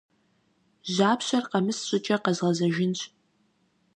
Жьапщэр къэмыс щӀыкӀэ къэзгъэзэжынщ.